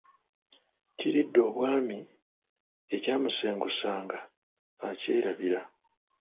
Kiridde obwami, ekyamusengusanga akyerabira.